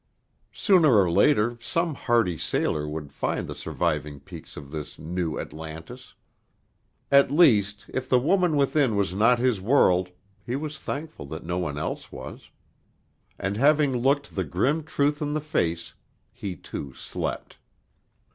Sooner or later some hardy sailor would find the surviving peaks of this new Atlantis. At least, if the woman within was not his world, he was thankful that no one else was; and having looked the grim truth in the face, he too slept.